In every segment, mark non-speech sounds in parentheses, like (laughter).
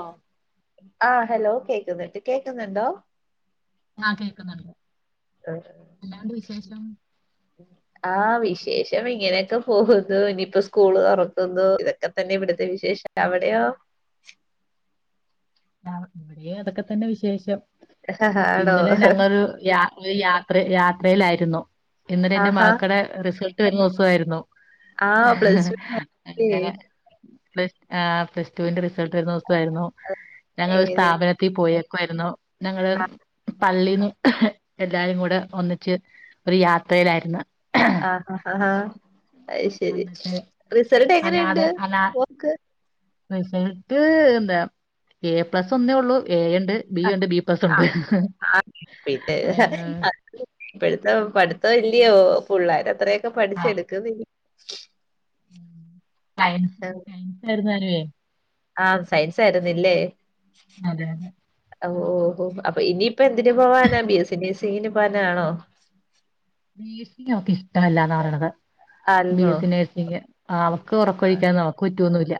ആഹ് ആഹ് ഹലോ കേക്കുനിണ്ട് കേക്കുന്നുണ്ടോ കേൾക്കുന്നുണ്ട് ആഹ് ആഹ് വിശേ വിശേഷം ഇങ്ങനെയൊക്കെ പോകുന്നു ഇനിയിപ്പോ സ്കൂള് തുറക്കുന്നു ഇതൊക്കെ തന്നെ വിട വിശേഷം ഉം അവിടെയോ അവ് ഇവിടെ അതൊക്കെ തന്നെ വിശേഷം ആണോ ഇന്നലെ ഞങ്ങളൊരു യാ ഒരു യാത്ര യാ അറിയിലായിരുന്നു ഇന്നല്ലേ എന്റെ ആഹാ മാഹക്കടെ റിസൽ റ്റ് വരുന്ന ദിവസവായിരുന്നു ആ പ്ലസ് ടൂ നല്ലേ ആ പ്ലസ് പ്ലസ് ടൂന്റെ റിസൾട്ട് വരുന്ന ദിവസമായിരുന്നു ഞങ്ങൾ ഒരു എങ്ങനെ സ്ഥാപനത്തിൽ പോയ ക്കു ആയിരുന്നു ഞങ്ങള് പള്ളീന്ന് എല്ലാരും കൂടെ ഒന്നിച്ച് ഒരു യാത്രയിലായിരുന്ന്‌ ആ ആ ഹ ഹാ അയ്ശരി എന്നിട്ട് റിസൾട്ട് അനാഥ എങ്ങനെയുണ്ട് അനാ ഓക്ക് റിസൾട്ട് എന്താ എ പ്ലസ് ഒന്നേ ഒള്ളൂ എ ഉണ്ട് ബി ആ ഉണ്ട് ബി പ്ലസ് ആ ഉണ്ട് ആ ആ പടുത്ത ഇല്യോ പുള്ളേർ അത്ര ഒക്കെ പഠിച്ചെടുക്കുന്നി (inaudible) ഉം സയൻസ് സയൻസ് ആയിരുന്നാലുവേ ആ സയൻസ് ആയിരുന്നില്ലേ അതെ അതെ ഓ ഓ ഓ അപ്പൊ ഇനി ഇപ്പൊ എന്തിന് പോവാനാ ബി എസ് സി നഴ്സ് തീരുമാനം ആണോ നഴ്സിംഗ് ഓക്ക് ഇഷ്ടല്ലാന്നാ പറയണത് ബി ആൽമോ എസ് സി നേഴസിങ്ങ് ആ അവക്ക് ആ. ഉറക്കൊഴിക്കാനൊന്നും അവക്ക് പറ്റൊന്നുമില്ല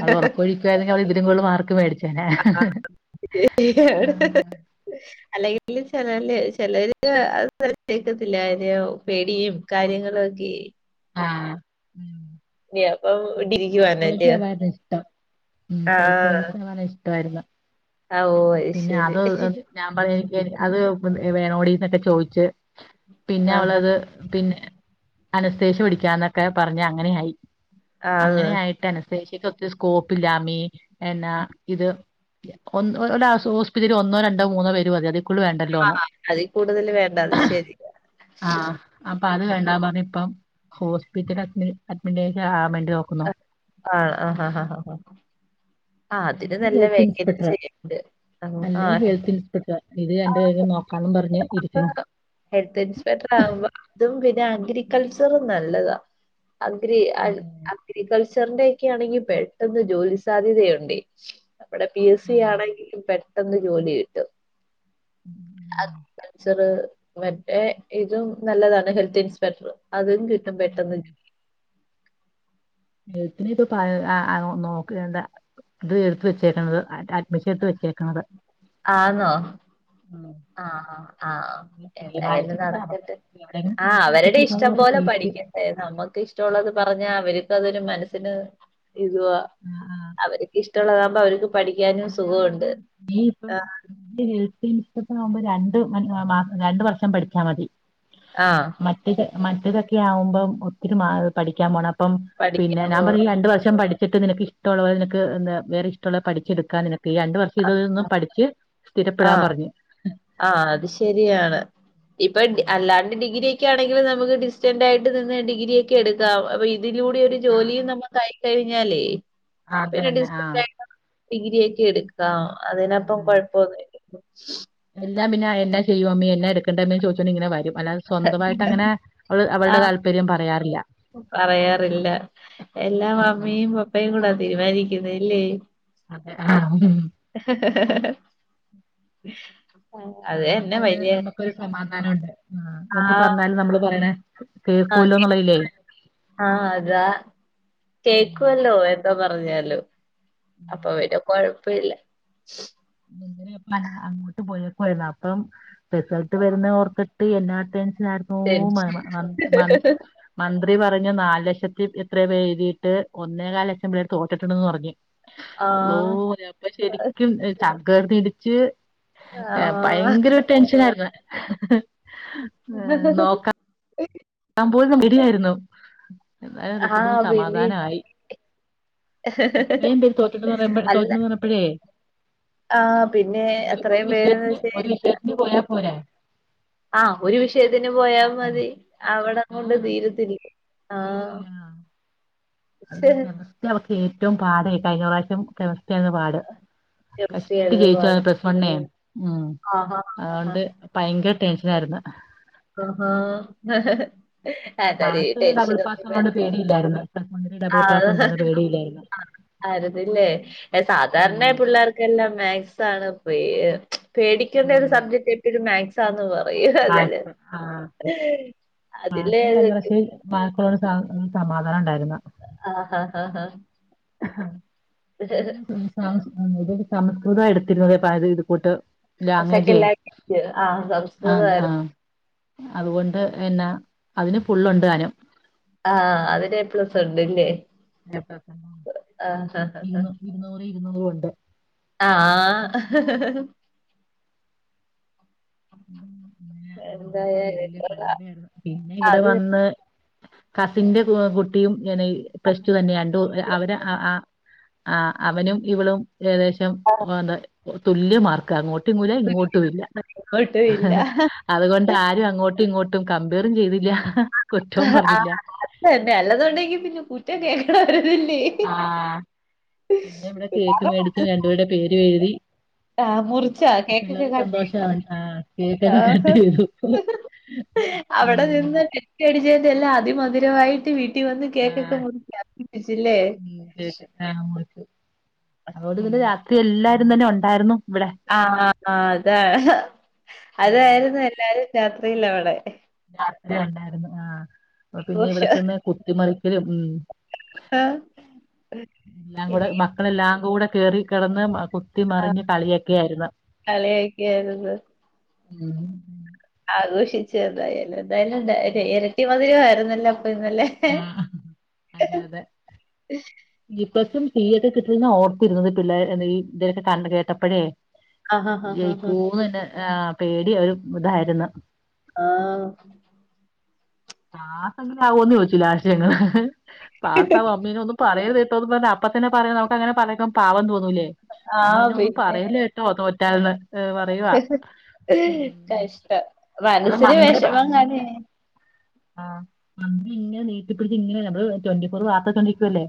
അവള് ഉറക്കവോഴിക്കുവരുന്നേൽ അവള് ഇതിലും വല്യ ഏറ്റവും കൂടുള് മാർക്ക്‌ മേടിച ആ ഏഹ് (unintelligible) അല്ലെ ച ലേല് ചെലര് അത് കേക്കത്തില്ലഓ പേടിയും കാര്യങ്ങളും ഒക്കെ ആ ഇല്ല അപ്പം സൈക്കോളജി ഇടിരിക്കുവാണല്ല്യോ ആവാനാ ഇഷ്ടം ഉം സൈക്കോളജി ആവാനിഷ്ടായിരുന്നു അവോ അ ശരി ഹി ഹി ഞാൻ പറയാ എനിക്ക് അത് വേണോ ടീന്നൊക്കെ ചോയീച്ച് പിന്നെ ആഹാ അവളത് പിന്നെ അ ശേഷം പഠിക്കാന്നൊക്കെ പറഞ്ഞു അങ്ങനെ ആയി ആഹ് അങ്ങനെയായിട്ടന് ഷ് നിക്കൊത്തി സ്കോപ്പില്ല അമ്മേ എന്നാ ഇത് ഒൻ ഒരാസു ഓസ്പിറ്റലില് ഒന്നോ രണ്ടോ മൂന്നോ പേര് വ ആ അതീ കൂടുതല് വേണ്ട അത് ശരി പ്പ അത് വേണ്ടാ പറഞ്ഞിപ്പം ഹോസ്പിറ്റലഡ്മിൻ അഡ്മിനേലാ (unintelligible) അ ആ ആ ഹ ഹ ഹ ഹ ആ അതിന് അല്ലെങ്കിൽ നല്ല ഹെൽത്ത് ഇൻസ്പെക്ടർ വേക്കൻസി ഇണ്ട് ആ അല്ലെങ്കിൽ തെ ഹെൽത്ത് ഇൻസ്പെക്ടർ ഇത് രണ്ടുപേരും നോക്കാന്നും പറഞ്ഞ് ഇരിക്കണു ന്നെ അഗ്രികൾച്ചറും നല്ലതാ അഗ്രി അൽ ആഹ് അഗ്രിക ച്ചറിന്റെയൊക്കെ ആണെങ്കി പെട്ടെന്ന് ജോലി സാധ്യതയുണ്ടെ വേടെ പി എസ് സി ആണെങ്കിലും പെ ട്ടെന്ന് ജോലി കിട്ടും അ (unintelligible) ൾച്ചറ് മറ്റേ ഇതും നല്ലതാണ് ഹെൽത്തിൻസ്പെക്ടർ അതും കിട്ടും പെട്ടെന്ന് എഴുത്തിനെ ഇപ്പോ പഴ് അ ആ നോക്ക് എന്ത ഇത് വെച്ചേക്കണ്ത് അ അറ്റ് മെഷിയത്ത് വെച്ചേക്കണത് ആന്നോ മ് ആ ആ എന്തായാലും നമുക്ക് നടക്കട്ട് എവിടെയെങ്കിലും ആ സീറ്റ് അവര്ടെ ഉറപ്പിച്ചേക്കാതെ ഇഷ്ടം നമുക്ക് പോലെ സീറ്റ് പഠിക്കട്ടെ നമ്മക്ക് ഇഷ്ട്ടൊള്ളത് പറഞ്ഞാ പ്പതൊരു മനസ്സിന് ഇതുവാ ആ, ആ. അവരിക്ക് ഇഷ്ട്ടൊള്ള (unintelligible) അത് ഞാൻ പറഞ്ഞ് നീ ഇപ്പം ആഹ് ന്റെ ജീവി പിൻ ഇപ്പത്തനാവുമ്പോ രണ്ട്- കയിനാ മാസം രണ്ട് വർഷം പഠിച്ചാ മതി ആഹ് മറ്റേത് മ ഇതൊക്കെ ആവുമ്പം ഒത്തിരി മാ പഠി ക്കാമ്പോണം അപ്പം പിന്നെ പഠിക്കാൻ ഞാൻ പോ പറഞ് രണ്ടു വർഷം പഠിചേ - എന്നിട്ട് നിനക്കിഷ്ട്ടൊള്ള പോലെ നിനക്ക് ന്താ വേറെ ഇഷ്ട്ടൊള്ള പഠി എടുക്കാ നിന ഈ രണ്ടു വർഷം ഇതതന്ന് പഠിച്ച് സ്ഥിരപ്പെടാൻ പറഞ്ഞ് ആ അത് ശരിയാണ് ഇപ്പൊ ഡി അല്ലാണ്ട് ഡി ഡിഗ്രിയെക്കെ ആണെങ്കിൽ നമുക്ക് ഡിസ്റ്റൻ്റയിട്ട് നിന്ന് ഡിഗ്രിയെക്കെ എടുക്കാം അപ്പോ- അതിലൂടെ ഒരു ജോലിയും നമ്മുക്കായി- കെഴിഞ്ഞാലേ- അതെന്നെ ആഹ ഡിഗ്രിയെക്കെ എടുക്കാം അതിനപ്പൊ കൊഴപോന്നുല്ല (inaudible) എന്താ പിന്നെ എന്നാ ചെയ്യും അമ്മേ എന്ന എടുക്കണ്ടേ അമ്മേ ചോയിച്ചോണ്ട് ഇങ്ങന വരും അല്ലാതെ സ്വന്തമായിട്ട് അങ്ങനെ അവള് ആ അവളുടെ താല്പര്യം പറയാറില്ല പറയാറില്ല എല്ലാ ഉം ഉം അമ്മിയും പപ്പയും കൂടാ തീരുമാനിക്കാ- കിണല്ലെ അതെ ആഹ് ഉ എഹ് ഹ് ഹേ ഹേ ഹ് അതുകൊണ്ട് തന്നെ നമുക്കൊരു സമാധാനം ഉണ്ട് ആ കേൾക്കുവല്ലോ എന്നുള്ളതിലേ ആഹ അതാ ഉം. കേക്കുവല്ലോ ചീത്ത പറഞ്ഞാലും അപ്പൊ വരും കൊഴപ്പില്ല ഇന്നലെ ഇപ്പ അങ്ങോട്ട് പോയേക്കുവയിരന്നു അപ്പം റിസൾട്ട് വരുന്ന ഓർത്തിട്ട്- എന്നാ അത് ചാർന്നൊ മാ ടെൻഷൻ മാ മൻ മൻ മൻ അവര് പറഞ്ഞു നാല് ലക്ഷത്തി എത്രയോ പേരെഴുതിയിട്ട് ഒന്നേകാൽ ലക്ഷം പേർ തോറ്റിട്ടുണ്ടന്ന് പറഞ്ഞു ആഹ് അല്ലോഹ് അപ്പൊ ശരിക്കും തകർന്ന് ഇടിച്ച് ആഹ് ഭയങ്കര ടെൻഷനായിരുന്നു ഞാൻ പോയിരുന്നു മിഡി ആയിരുന്നു എന്നാലും റിസൾട്ട് ആഹ് വന്നപ്പം പിന്നെ സമാധാനമായി അത്രയും പേര് തോറ്റിട്ടന്ന് പറയമ്പ അല്ല തോറ്റന്ന് പറഞ്ഞപ്പോഴേ ആഹ് പിന്നെ ഒരു ഒരു അത്രയും പേരെന്ന് വിഷയത്തിന് വച്ച് ഒരു കഴിഞ്ഞാ വിഷയത്തിന് പോയാ പോരെ ആഹ് ഒരു വിഷയത്തിന് നോക്കാന് പോയാമതി (unintelligible) (unintelligible) കൊണ്ട് തീരത്തില്ലേ ആഹ് തീരുലാ (unintelligible) (unintelligible) പാടേ കഴിഞ്ഞ പ്രാവശ്യം (unintelligible) (unintelligible) പാട് കെമിസ്ട്രി കഷ്‌ടി ആയിരുന്നു പാട്. ജയിച്ചതാണു പ്ലസ് വണ്ണേ മ് ആഹാ ആഹാ അതുകൊണ്ട് ഭയങ്കര ടെൻഷനായിരുന്നു ആഹാ അതായത് പാസ്സ്, ഡബിൾ പാസ്സ് ഉള്ളോണ്ട് പേടിയില്ലായിരുന്നു പ്ലസ് വണ്ണിന് ഡബിൾ പാസ് ഉണ്ടെന്ന് പേടിയില്ലായിരുന്നു ആയിര്ന്നില്ലേ ഏ ഉം സാധാരണ പിള്ളേർക്കെല്ലാം മാത് സ്‌ ആണ് (unintelligible) പേടിക്കേണ്ട ഒരു ഉം സബ്ജക്ട് എപ്പഴും മാത് സാന്ന് പറയും (unintelligible) അതില് (unintelligible) (unintelligible) സമാ ആഹ് ഹ് ഹ് ഹ് പിന്നെ (unintelligible) സ (unintelligible) ഇത് കൂട്ട് ലാംഗ്വേജേ (unintelligible) ആഹ് ആ സംസ്കൃ ആ അതുകൊണ്ട് പിന്നെ അതിന് ഫുള്ളുണ്ടാനും. ആഹ് അതിന് ഏ പ്ലസ് ഇണ്ട് ലേ (unintelligible) ഇരുന്നൂർ ഇരുന്നൂർ ഉണ്ട് (inaudible) ആ ആ ഹ് ഹ് (unintelligible) (unintelligible) വല്യ കൊള്ളാം. കടമ്പയായിരുന്നു പിന്നെ ഇവട അത് വന്ന് കസിന്റെ കു കുട്ടിയും ങ്ങനെ ഈ പ്ലസ് ടു തന്നെ രണ്ടു അവരെ ആ ആ ആ അവനും ഇവളും ഏകദേശം ഓന് തുല്യ മാർക്ക അങ്ങോട്ടും (unintelligible) ഇങ്ങോട്ടും ഇല്ല. ഒട്ടും ഇല്ല. അതുകൊണ്ട് ആരും അങ്ങോ അങ്ങോട്ടും ഇങ്ങോട്ടും കമ്പയറും ചെയ്തില്ല. ആ കുറ്റവും ആ പറഞ്ഞില്ല അതന്നെ അല്ലതുണ്ടെങ്കി പിന്നെ കു (unintelligible) തുല്ലേ ആഹ് പിന്നെ ഇവിടെ കേക്ക് മേടിക്കും രണ്ട് പേരുടെ പേര് എഴുതി ആ മുറിച്ചാ കേക്കൊക്കെ പിള്ളേര് കട്ട് (unintelligible) സന്തോഷാണ് ആഹ് ആ കേക്കൊക്കെ കട്ട് ചെയ്തു (unintelligible) അവിടെ നിന്ന് ചുറ്റിയടിച്ച് എല്ലാം അതിമധുരമായിട്ട് വി കുട്ടി വന്ന് കേക്കോക്കെ ആഹ് (unintelligible) മുറിച്ചല്ലേ. അതകൊണ്ട് പിന്നെ രാത്രി എല്ലാ (unintelligible) തന്നെ ഒണ്ടായിരുന്നു. ആ അതാ ഉം അതായിരുന്നു എല്ലാരും രാത്രിയില്ല അവിടെ രാത്രി ഉണ്ടായിരുന്നു ആ പിന്നെ ആഘോഷം ഇവിടക്കന്ന് കുത്തിമറി പിന്ന ഉ ആഹ് (unintelligible) എല്ലാം കൂടെ ഇനി മക്കളെല്ലാം കൂടെ കയറി കിടന്ന് മ കുത്തിമറിഞ്ഞ് കളിയൊക്കെ ആയിരുന്നു കളിയാക്കിയായിരുന്നു ഉം ആഘോഷിച്ച് ഏതായാലും അതല്ല ഇരട്ടി വ (unintelligible) ആര്മായിരുന്നല്ലോ (unintelligible) ഇന്നല്ലേ ആഹ് അതെ അതെ തീയൊക്കെ കിട്ടുന്ന ഓർത്തിരുന്നത് പിള്ളേർ ഇതൊക്കെ കണ്ട് കേട്ടപ്പോഴേ ആഹ് ആഹ് ആഹ് ജയിക്കുമോന്ന് തന്നെ ആ പേടി ഒരു ഇതായിരുന്നു ആ ആ സങ്കടമാകുമോന്ന് ചോദിച്ചില്ല ആശയങ്ങള് പാസ്താ മമ്മീനേ ഒന്നും പറയരു അ അപ്പ തന്നെ പറയാ നമുക്കങ്ങനെ പറയുമ്പോ പാവം തോന്നും ആഹ് അമ്മേനെ ഒന്നും പിന്നെ പറയല്ലേ കേട്ടോ തോ ത (unintelligible) കഷ്ടം അത് മനസിന് മന്ത്രി ‌വിഷമം കാണുമേ അങ്ങനെ ആഹ് അമ്മ ഇങ്ങന നീട്ടിപ്പിടിച്ച് നമ്മള് ട്വന്റി ഫോർ വാർത്ത കണ്ടിരിക്കുകയല്ലേ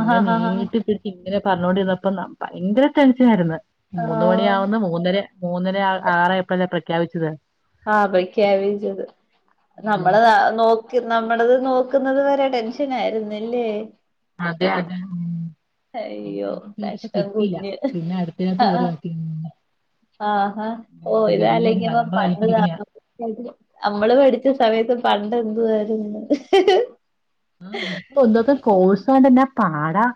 ഇങ്ങ നീ ആഹ് ആഹ് ഇട്ട പിടുത്തി ഇങ്ങനെ പറഞ്ഞു കൊണ്ട് ഇരുന്നപ്പോ ഭയങ്കര ടെൻഷനായിരുന്നു മൂന്ന് മണി ആഹ് ആകുന്നു മൂന്നറ മൂന്നര ആറ എപ്പോഴ ക വച്ചുതാ ആ പ്രഖ്യാപിച്ചത് ഉം നമ്മള് ന നോ നമ്മടത് നോക്കുന്നത് വരെ ടെൻഷൻ ആയിരുന്നില്ലേ അതേ അത മ് അയ്യോ ആദ്യം കേറിയപ്പോ കഷ്ടം കിട്ടില്ലാ കുഞ്ഞ് പിന്നെ അടുത്തേനകത്ത് കയറി ആഹ് നോക്കി പിന്നേ ആഹാ ഓ അങ്ങനെ ഇത് വലിയൊരു ആലോചിക്കുമ്പോ കടമ്പ കഴിഞ്ഞു പണ്ട് ഇതാണ് നമ്മള് പഠിച്ച സമയത്ത് പണ്ടെന്തുവാരുന്നു ആ ഇപ്പ ഒന്നാത്ത കോഴ്സ് കൊണ്ട്ന്നാ പാടാ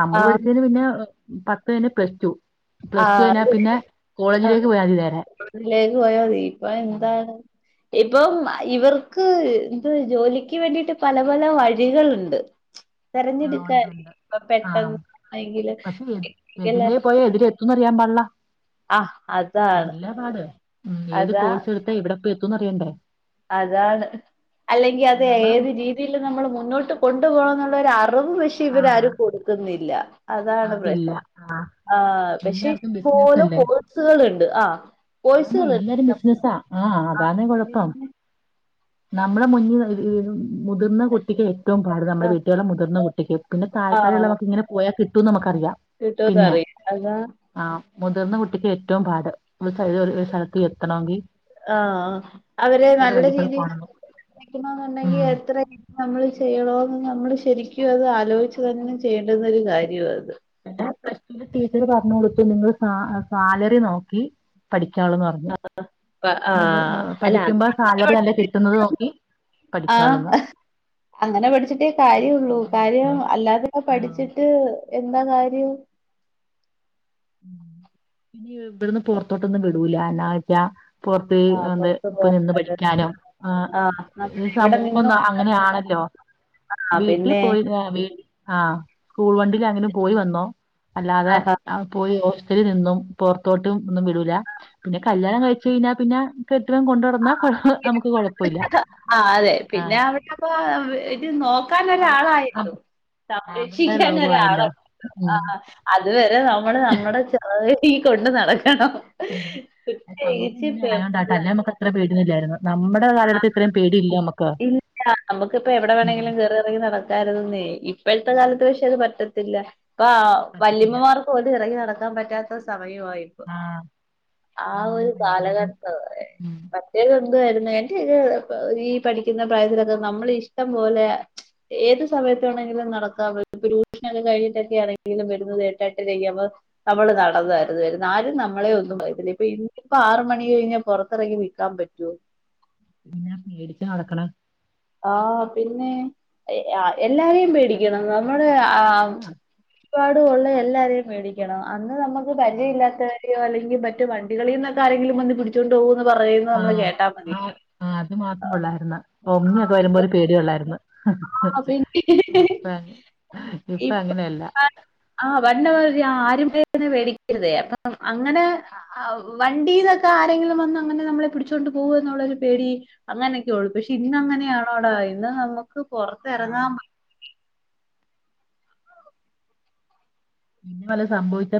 നമ്മള് ആഹ് പടിച്ചിന് പിന്നെ പത്ത് കഴിഞ്ഞ് പ്ലസ് ടൂ ആ അത് പോയാ മതി നേരെ. അതിലേക്ക് പോയ മതി ഇപ്പൊ ഉം എന്താണ് ഇപ്പം ഇവർക്ക് എന്ത് ജോലിക്ക് വേണ്ടിട്ട് പല പല വഴികളുണ്ട് ആഹ് തെരഞ്ഞെടുക്കാൻ ഉണ്ട് ഉണ്ട്. ഇ ആഹ് പെട്ടെന്ന് എങ്കില് ത്തുംന്ന് അറിയാൻ പാടില്ല അതാണ് അതെല്ലാ പാട് ഉഠ ഏത് അതാ കോഴ്സ് എടുത്താ എവിടെപ്പോയി എ ത്തുംന്ന് അറിയണ്ടേ അതാണ് അല്ലെങ്കിൽ അത് നമ്മള് ഏത് രീതിൽ നമ്മൾ മുന്നോട്ട് കൊണ്ടു പോകണംന്നുള്ള ആർ കുറവ് പക്ഷെ ആഹ് ഇവരാരും കൊടുക്കുന്നില്ല അതാണ് പ്രശ്നം അതില്ല ആഹ് ആ പക്ഷെ എല്ലാർക്കും ബിസിനസ് ഇഷ്ടംപോലെ അല്ലേ കോഴ്സുകളുണ്ട് ആ അതാണ് കോഴ്സുകളുണ്ട് എല്ലാരും ബിസിനസാ ആ പി നമ്മുടെ മുന്നിൽ ഒരു മുതിർന്ന കുട്ടിക്ക് ഏറ്റവും പാട് നമ്മുടെ ആഹ് വീട്ടിലുള്ള മുതിർ കുട്ടിക്ക് പിന്നെ താഴേ താഴേയുള്ളവർക്ക് ഇങ്ങനെ പോയാൽ മതി തു നമുക്ക് കിട്ടുംന്ന് അറിയാ അതാ ആഹ് മുതിർന്ന കുട്ടിക്ക് ഏറ്റവും പാട് ഒരു സ് സ്ഥലത്ത് എത്തണമെങ്കിൽ ആഹ അവര് ഏത് നല്ല വഴിക്കൂടെ രീതില് പോണന്ന് എത്തിക്കണന്നുണ്ടെങ്കിൽ ഉം എത്ര നമ്മള് ചെയ്യണോന്ന് നമ്മള് ശരിക്കും അത് ആലോചിച്ചു തന്നെ ചെയ്യേണ്ടുന്നൊരു കാര്യമാ അത് എ പ്ല ടൂ ടീച്ചർ പറഞ്ഞു കൊടുത്തു നിങ്ങള് സാലറി നോക്കി പഠി ആഹ് അല്ല പഠിക്കുമ്പോ സാലറി നല്ല കിട്ടുന്നത് നോക്കി ആഹ് പഠിക്കാവുള്ളന്ന് അങ്ങനെ പഠിച്ചിട്ടേ ആഹ് കാര്യള്ളൂ അങ്ങനെ പഠിക്കാ കാര്യം അല്ലാതെയൊക്കെ ആഹ് പഠിച്ചിട്ട് എന്താ കാര്യം പിന്ന ഇവിടുന്ന് പുറത്തോട്ടൊന്നും വിടൂല എന്നാന്ന് വെച്ചാ പുറത്ത് ആ എന്ത് പുറത്തു ഇപ്പോ നിന്ന് പോകല് പഠിക്കാനോ ആ നമ്മുടെ ഇവിടെ സമൂഹം നിന്നോണ്ട് അങ്ങനെയാണല്ലോ ആ വീട്ടിൽ പിന്നെ പോയി ആ സ്കൂൾ വണ്ടി അങ്ങനും പോയി വന്നോ അല്ലാതെ ആഹാ അ ട്ടിൽ നിന്നും പുറത്തോട്ടും ഒന്നും വിടൂല പിന്നെ കല്യാണം കഴിച്ച് കഴിഞ്ഞാ പിന്നെ കെ ആ ആ അതെ പിന്നെ ആഹ് അവിടെപ്പ ഇത് നോക്കാൻ അവ ഒരാളായിട്ടും അവരുടെ സംരക്ഷിക്കാൻ ലോകമായല്ലോ ഒരാളായി ആ ഉം ആ അതുവരെ നമ്മള് ങ്ങടെ ചെ ഈ കൊണ്ടുനടക്ക ഉം ആ സമൂഹം തേകിച്ച് ഇങ്ങനെ ആയോണ്ടാട്ടോ പെമ്പിള്ളാര് അല്ലേ നമുക്ക് അത്ര പേടിനില്ലാരുന്നു ഇല്ല നമുക്കിപ്പ എവിടെ ഉം വേണമെങ്കിലും കയറി ഇറങ്ങി നടക്കാരുന്നേ ഇപ്പോഴത്തെ ഉം കാലത്ത് പക്ഷെ അത് പറ്റത്തി ത്തില്ല ഇപ്പ പറ്റത്തില്ല വല്യമ്മമാർക്ക് പോലും ഇറങ്ങി നടക്ക ങ്ങാൻ പറ്റാത്ത സമ ആഹ് ആ എല്ലാം ഒരു പഞ്ചാബും കാലഘട്ടാ ഉം പ്രതേ (unintelligible) ഈ പഠിക്കുന്ന പ്രായത്തിലൊക്കെ നമ്മൾ ഇഷ്ടം പോലെ ഏത് സമയത്താണെങ്കിലും നടക്കാ ഇ ട്യൂഷനൊക്കെ കഴിഞ്ഞിട്ടൊക്കെ ആണെങ്കിലും വരുന്നത് ഏട്ടാട്ടിരക്കുമ്പോ നമ്മള് നടന്നായിരുന്നു വരുന്നെ ആരും ന മ്മളെ ഒന്നും ആഹ് പറയത്തില്ല ഇ ഇപ്പൊ ആറ് മണി കഴിഞ്ഞാ പുറത്തിറങ്ങി വിക്കാൻ പറ്റോ പിന്നെ പേടിച്ചാടക്കണം ആ പിന്നെ എല്ലാരേം പേടിക്കണം നമ്മൾ അ ആ ഉം ആഹ് ഒരുപാടുള്ള എല്ലാരെയും പേടിക്കണം അ നമുക്ക് ആഹ് വലയില്ലാത്തവരെ ടിക്കോ അല്ലെങ്കി മറ്റു വണ്ടികളിന്നൊക്കെ ആരെങ്കിലും വന്ന് പിടിച്ചോണ്ട് പോകോ ന്ന് പറയുന്ന നമ്മള് ആഹ് കേട്ടാ മതി ആ ഒമിനിയൊക്കെ വരുമ്പോ ഒരു പേടിയെ ഒള്ളാരുന്നു (unintelligible) (unintelligible) ഇപ്പ അങ്ങനെയല്ല പേടിക്കരുത അപ്പ അങ്ങനെ ആ വ് വണ്ടീന്നൊക്കെ ആരെങ്കിലും വന്ന് അങ്ങനെ നമ്മളെ പിടിച്ചോണ്ട് പോകോന്നുള്ളരു പേടി അങ്ങനെയൊക്കെയു പക്ഷെ ഇന്നങ്ങനെയാണോടാ ന്ന നമുക് ആഹ് പൊറത്തെറങ്ങാൻ പിന്നെ വല്ലോം സമ്പവിച്ചാ